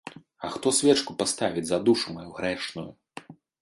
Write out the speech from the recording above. А хто свечку паставіць за душу маю грэшную?